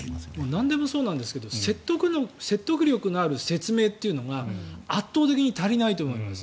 なんでもそうなんですが説得力のある説明というのが圧倒的に足りないと思います。